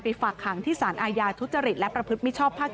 ฝากขังที่สารอาญาทุจริตและประพฤติมิชชอบภาค๗